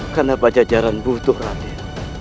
karena pajajaran butuh raden